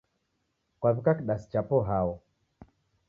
Kwaw'ika kidasi chapo hao?